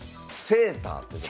セーター？